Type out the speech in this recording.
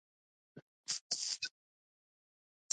اوښ د افغانستان د چاپیریال ساتنې لپاره مهم دي.